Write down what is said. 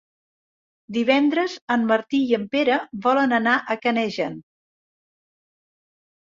Divendres en Martí i en Pere volen anar a Canejan.